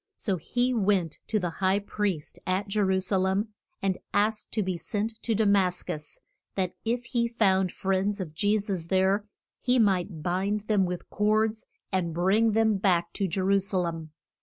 So he went to the high priest at Je ru sa lem and asked to be sent to Da mas cus, that if he found friends of Je sus there he might bind them with cords and bring them back to Je ru sa lem.